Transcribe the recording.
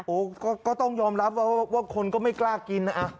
ก็ต้องยอมรับว่าคนก็ไม่กล้ากินนะ